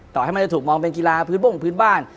ต่อให้มันจะถูกมองเป็นกีฬาพื้นบ้งพื้นบ้าน